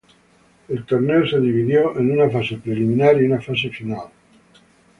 El torneo se dividió en una fase preliminar y una fase final.